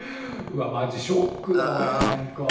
うわっマジショックだわなんか。